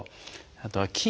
あとは筋